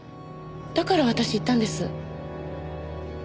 だから私言ったんです。